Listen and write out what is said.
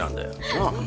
なあ？